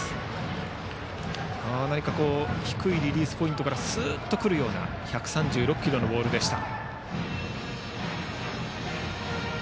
低いリリースポイントからすっと来るような１３６キロのボールでした。